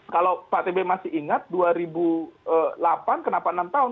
kalau pak tb masih ingat dua ribu delapan kenapa enam tahun